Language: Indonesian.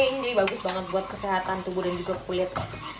ini jadi bagus banget buat kesehatan tubuh dan juga kulit